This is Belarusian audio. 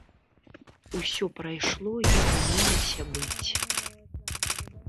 Усё прайшло, як і мелася быць.